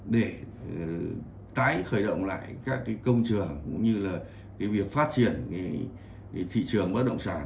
để tái khởi động lại các công trường cũng như là việc phát triển thị trường bất động sản